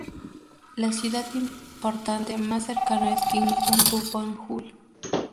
La ciudad importante más cercana es Kingston upon Hull.